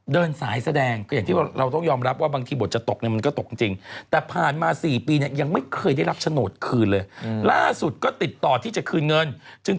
เดินสายแสดงก็อย่างที่เราต้องยอมรับว่าบางทีบทจะตกเนี่ยมันก็ตกจริง